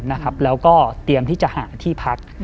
แล้วก็เตรียมที่จะหาที่พัก